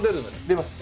出ます。